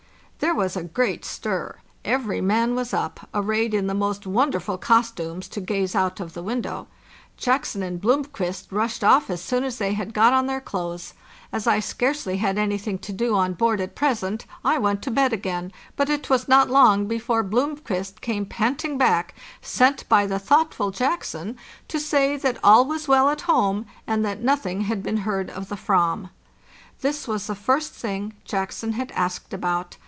There was a great stir. Every man was up, arrayed in the most wonderful costumes, to gaze out of the window. Jackson and Blomqvist rushed off as soon as they had got on their clothes. As I scarcely had anything to do on board at present I went to bed again, but it was not long before Blomqvist came panting back, sent by the thoughtful Jackson, to say that all was well at home, and that nothing had been heard of the vam. This was the first thing Jackson had asked about.